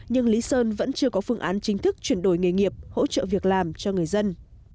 nhưng lý sơn vẫn chưa có phương án chính thức chuyển đổi nghề nghiệp hỗ trợ việc làm cho người dân